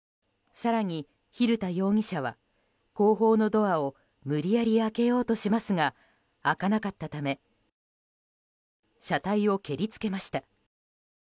更に蛭田容疑者は後方のドアを無理やり開けようとしますが開かなかったため車体を蹴りつけました。